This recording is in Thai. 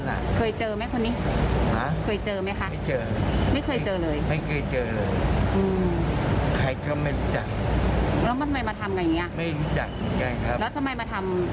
แล้วทำไมมาทำกับเราแบบนี้